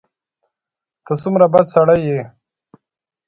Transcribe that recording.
ته څومره بد سړی یې !